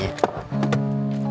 saya sudah ngeri dulu